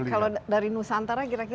kalau dari nusantara kira kira apa ini